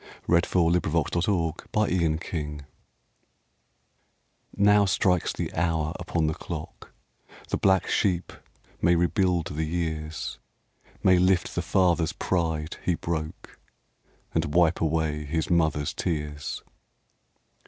l6 FLOWER OF YOUTH THE GREAT CHANCE Now strikes the hour upon the clock The black sheep may rebuild the years May lift the father's pride he broke And wipe away his mother's tears.